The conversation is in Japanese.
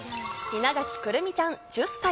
稲垣来泉ちゃん、１０歳。